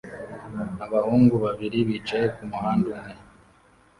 Abahungu babiri bicaye kumuhanda umwe